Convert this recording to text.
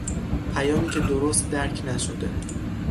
پیامی که درست درک نشده